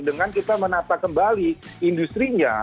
dengan kita menata kembali industrinya